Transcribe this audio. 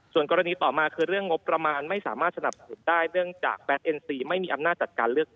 ส่วนกรณีต่อมาคือเรื่องงบประมาณไม่สามารถสนับสนุนได้เนื่องจากแบทเอ็นซีไม่มีอำนาจจัดการเลือกตั้ง